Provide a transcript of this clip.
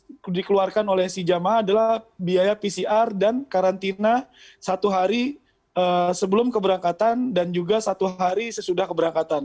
yang dikeluarkan oleh si jamaah adalah biaya pcr dan karantina satu hari sebelum keberangkatan dan juga satu hari sesudah keberangkatan